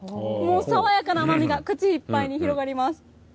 爽やかな甘みが口いっぱいに広がります。